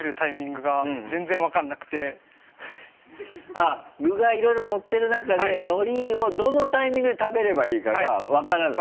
あぁ具がいろいろのってる中で海苔をどのタイミングで食べればいいかが分からない。